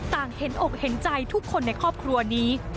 เห็นอกเห็นใจทุกคนในครอบครัวนี้